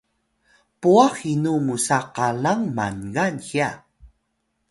puwah inu musa qalang Mangan hya?